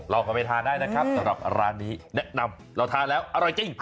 เข้าไปทานได้นะครับสำหรับร้านนี้แนะนำเราทานแล้วอร่อยจริง